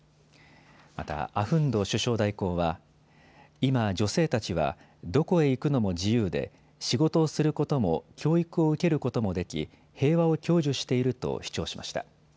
またアフンド首相代行は今、女性たちは、どこへ行くのも自由で仕事をすることも教育を受けることもでき平和を享受していると主張しました。